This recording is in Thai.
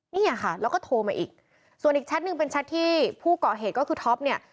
เนี่ยค่ะแล้วก็โทรมาอีกส่วนอีกแชทหนึ่งเป็นแชทที่ผู้เกาะเหตุก็คือท็อปเนี่ย